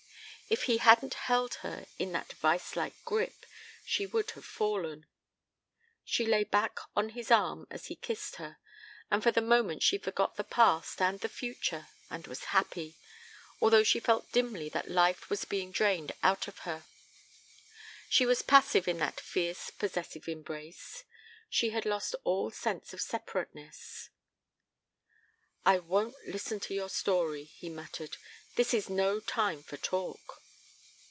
If he hadn't held her in that vise like grip she would have fallen. She lay back on his arm as he kissed her and for the moment she forgot the past and the future and was happy, although she felt dimly that life was being drained out of her. She was passive in that fierce possessive embrace. She had lost all sense of separateness. "I won't listen to your story," he muttered. "This is no time for talk."